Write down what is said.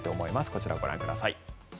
こちら、ご覧ください。